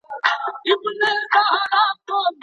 د بهرني سیاست له لوري د وګړو حقونه نه پیژندل کیږي.